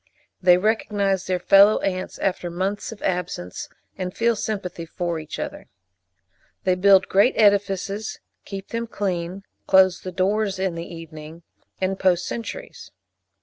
They recognise their fellow ants after months of absence, and feel sympathy for each other. They build great edifices, keep them clean, close the doors in the evening, and post sentries.